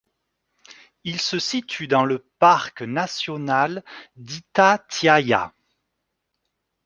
Il se situe dans le parc national d'Itatiaia.